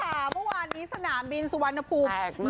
ลูกสาวค่ะเมื่อวานนี้สนามบินสุวรรณภูมิ